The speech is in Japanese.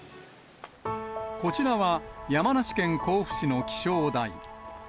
こちらは、山梨県甲府市の気象台。